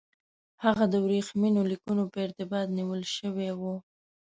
هغه د ورېښمینو لیکونو په ارتباط نیول شوی وو.